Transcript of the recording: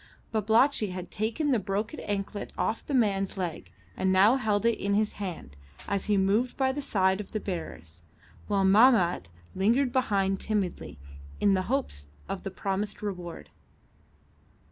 Babalatchi had taken the broken anklet off the man's leg, and now held it in his hand as he moved by the side of the bearers, while Mahmat lingered behind timidly, in the hopes of the promised reward.